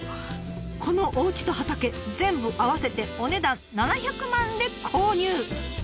このおうちと畑全部合わせてお値段７００万で購入！